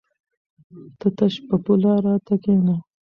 ته تش په پوله راته کېنه!